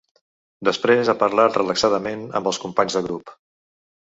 Després ha parlat relaxadament amb els companys de grup.